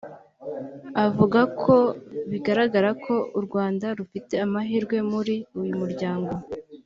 avuga ko bigaragara ko u Rwanda rufite amahirwe muri uyu muryango